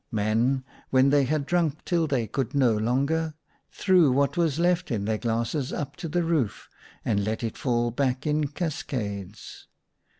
Men, when they had drunk till they ACROSS MY BED. 149 could no longer, threw what was left in their glasses up to the roof, and let it fall back in cascades.